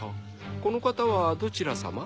この方はどちらさま？